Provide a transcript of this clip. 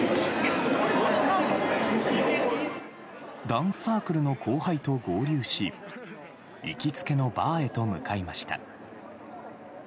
ダンスサークルの後輩と合流し行きつけのバーへと向かいました。